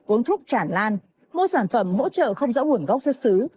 uống thuốc chản lan mua sản phẩm mỗ trợ không dẫu nguồn gốc xuất xứ